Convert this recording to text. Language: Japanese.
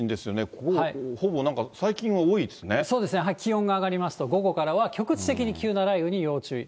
ここ、ほぼなんか、最近多いですそうですね、気温が上がりますと、午後からは局地的に急な雷雨に要注意。